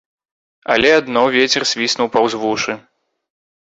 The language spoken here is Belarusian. Але адно вецер свіснуў паўз вушы.